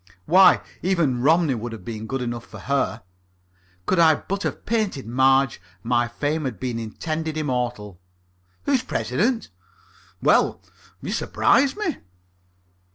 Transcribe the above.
Why, even Romney would have been good enough for her. Could I but have painted Marge, my fame had been indeed immortal. Who's President?... Well, you surprise me."